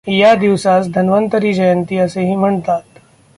या दिवसास धन्वंतरी जयंती असेही म्हणतात.